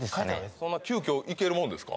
そんな急きょいけるもんですか